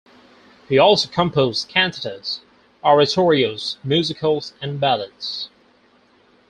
He also composed cantatas, oratorios, musicals and ballets.